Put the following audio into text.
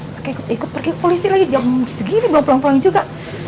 lagi ikut ikut pergi polisi lagi jam segini belum pulang juga